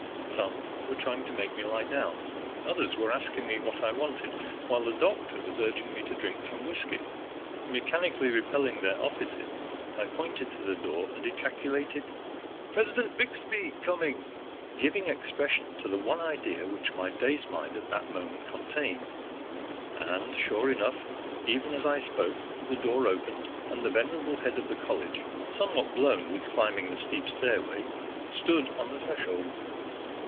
Some were trying to make me lie down, others were asking me what I wanted, while the doctor was urging me to drink some whiskey. Mechanically repelling their offices, I pointed to the door and ejaculated, "President Byxbee coming," giving expression to the one idea which my dazed mind at that moment contained. And sure enough, even as I spoke the door opened, and the venerable head of the college, somewhat blown with climbing the steep stairway, stood on the threshold.